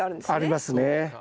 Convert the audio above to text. ありますね。